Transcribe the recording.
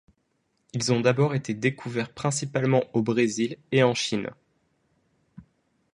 Ils ont d'abord été découverts principalement au Brésil et en Chine.